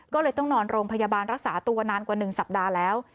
ก็เลยต้องนอนโรงพยาบาลรักษาตัวนานกว่า๑สัปดาห์แล้ว